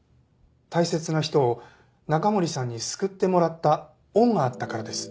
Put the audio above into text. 大切な人を中森さんに救ってもらった恩があったからです。